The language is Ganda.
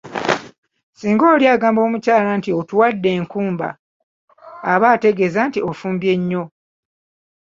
Singa oli agamba omukyala nti 'otuwadde enkumba' aba ategeeza nti ofumbye nnyo.